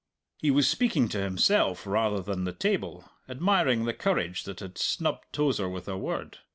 He was speaking to himself rather than the table, admiring the courage that had snubbed Tozer with a word.